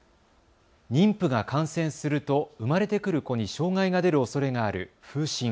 妊婦が感染すると生まれてくる子に障害が出るおそれがある風疹。